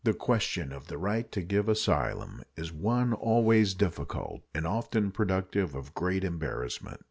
The question of the right to give asylum is one always difficult and often productive of great embarrassment.